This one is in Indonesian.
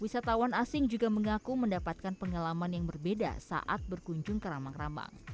wisatawan asing juga mengaku mendapatkan pengalaman yang berbeda saat berkunjung ke ramang ramang